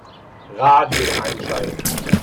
Radio einschalten.